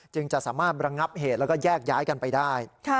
จะสามารถระงับเหตุแล้วก็แยกย้ายกันไปได้